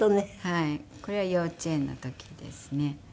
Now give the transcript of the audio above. これは幼稚園の時ですね。